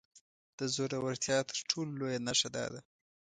د زورورتيا تر ټولو لويه نښه دا ده.